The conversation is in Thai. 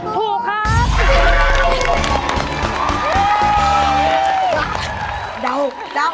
ถูกครับ